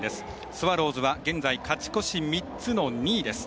スワローズは現在勝ち越し３つの２位です。